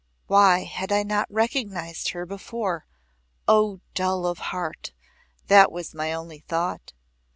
Why had I not recognized her before O dull of heart! That was my only thought.